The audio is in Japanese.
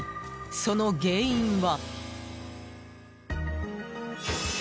その原因は？